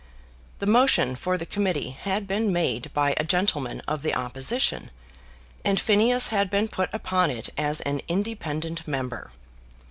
The motion for the Committee had been made by a gentleman of the opposition, and Phineas had been put upon it as an independent member.